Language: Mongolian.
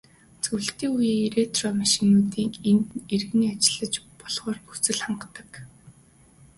Зөвлөлтийн үеийн ретро автомашинуудыг энд эргэн ашиглаж болохоор нөхцөлд хадгалдаг.